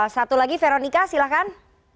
satu lagi veronika silakan